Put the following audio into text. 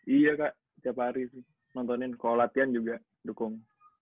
iya kak tiap hari sih nontonin kalau latihan juga dukung